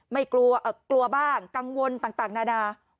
กลัวกลัวบ้างกังวลต่างนานา